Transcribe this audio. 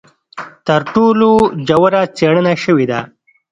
تر ټولو ژوره څېړنه شوې ده.